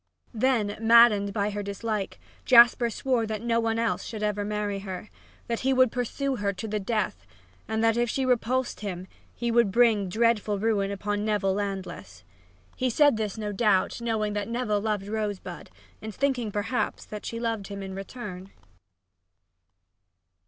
Then, maddened by her dislike, Jasper swore that no one else should ever marry her that he would pursue her to the death, and that if she repulsed him he would bring dreadful ruin upon Neville Landless. He said this, no doubt, knowing that Neville loved Rosebud, and thinking, perhaps, that she loved him in return.